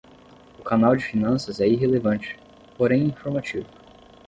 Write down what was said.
O canal de finanças é irrelevante, porém informativo